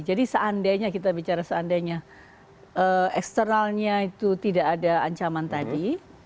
jadi seandainya kita bicara seandainya eksternalnya itu tidak ada ancaman tadi